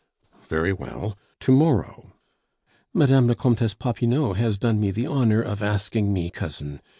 "Very well. To morrow." "Mme. la Comtesse Popinot has done me the honor of asking me, cousin.